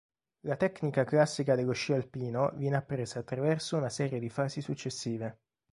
La tecnica classica dello sci alpino viene appresa attraverso una serie di fasi successive.